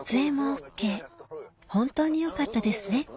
本当によかったですね